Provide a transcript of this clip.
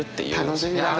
楽しみだね！